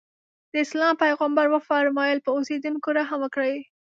د اسلام پیغمبر وفرمایل په اوسېدونکو رحم وکړئ.